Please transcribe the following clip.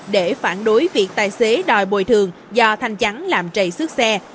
để phản đối việc tài xế đòi bồi thường do thanh chắn làm trầy xước xe